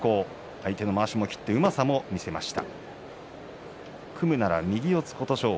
相手のまわしも切ってうまさも見せました。